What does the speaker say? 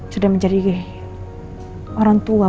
sudah menjadi orang tua